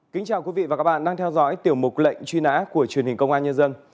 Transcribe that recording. kính chào quý vị và các bạn đang theo dõi tiểu mục lệnh truy nã của truyền hình công an nhân dân